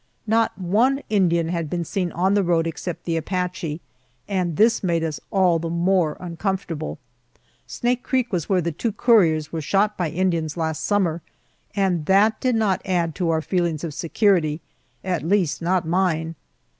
Not one Indian had been seen on the road except the Apache, and this made us all the more uncomfortable. Snake Creek was where the two couriers were shot by Indians last summer, and that did not add to our feelings of security at least not mine.